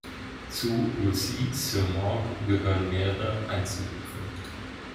Zu Lussy-sur-Morges gehören mehrere Einzelhöfe.